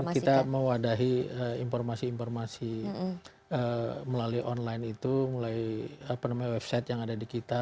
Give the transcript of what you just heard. kita mewadahi informasi informasi melalui online itu mulai website yang ada di kita